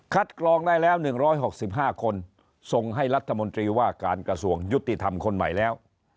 กรองได้แล้ว๑๖๕คนส่งให้รัฐมนตรีว่าการกระทรวงยุติธรรมคนใหม่แล้ว